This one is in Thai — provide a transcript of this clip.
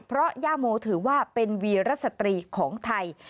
เพราะย่าโมถือว่าเป็นวีรสตรีของไทย